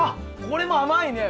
これも甘いね。